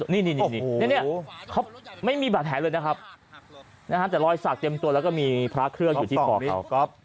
นี่เขาไม่มีบาดแผลเลยนะครับแต่รอยสักเต็มตัวแล้วก็มีพระเครื่องอยู่ที่ปอกนี้